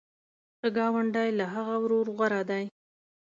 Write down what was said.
ښه ګاونډی له هغه ورور غوره دی.